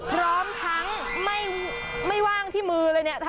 พร้อมทั้งไม่ว่างที่มือเลยเนี่ย